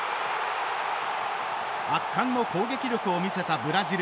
圧巻の攻撃力を見せたブラジル。